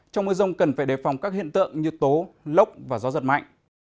trong mưa rông cần phải đề phòng các hiện tượng như tố lốc và gió giật mạnh